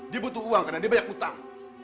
dia butuh uang karena dia banyak utang